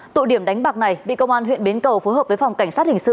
tụ điểm đánh bạc này bị công an huyện bến cầu phối hợp với phòng cảnh sát hình sự